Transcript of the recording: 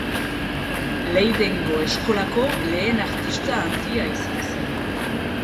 Leidengo Eskolako lehen artista handia izan zen.